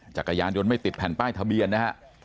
จักรยานยนต์ไม่ติดแผ่นป้ายทะเบียนนะฮะ